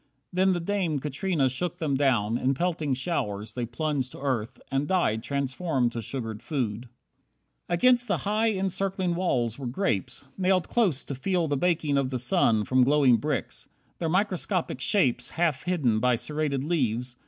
Then the dame Katrina shook them down, in pelting showers They plunged to earth, and died transformed to sugared food. 29 Against the high, encircling walls were grapes, Nailed close to feel the baking of the sun From glowing bricks. Their microscopic shapes Half hidden by serrated leaves.